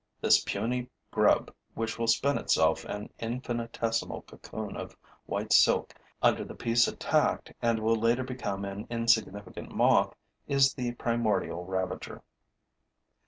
This puny grub, which will spin itself an infinitesimal cocoon of white silk under the piece attacked and will later become an insignificant moth, is the primordial ravager.